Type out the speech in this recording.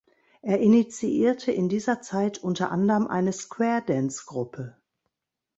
Er initiierte in dieser Zeit unter anderem eine Square Dance-Gruppe.